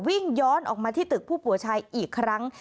วิ่งย้อนออกมาที่ตึกผู้ป่วยชายอีกครั้ง